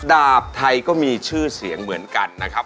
ดาบไทยก็มีชื่อเสียงเหมือนกันนะครับ